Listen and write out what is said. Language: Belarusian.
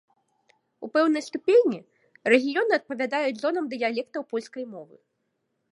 У пэўнай ступені, рэгіёны адпавядаюць зонам дыялектаў польскай мовы.